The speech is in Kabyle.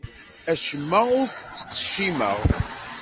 Acemma ur t-ttqeccimeɣ.